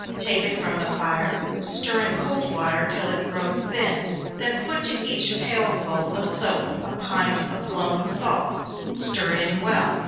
Take it from the fire, stir in cold water till it grows thin, then put to each pailful of soap a pint of blown salt stir it in well.